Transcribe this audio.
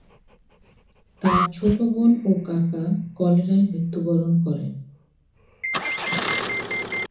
তার ছোট বোন ও কাকা কলেরায় মৃত্যুবরণ করেন।